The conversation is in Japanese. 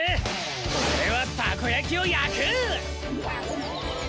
俺はたこやきを焼く！